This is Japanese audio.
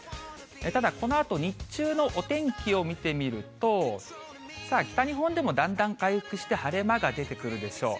ただ、このあと日中のお天気を見てみると、北日本でもだんだん回復して、晴れ間が出てくるでしょう。